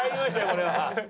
これは。